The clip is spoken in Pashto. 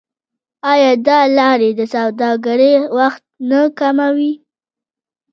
آیا دا لارې د سوداګرۍ وخت نه کموي؟